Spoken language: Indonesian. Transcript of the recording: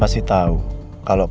pasangin ke alun